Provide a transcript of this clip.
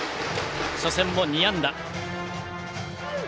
初戦も２安打。